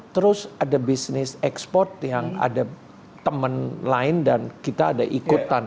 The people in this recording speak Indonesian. terus ada bisnis ekspor yang ada teman lain dan kita ada ikutan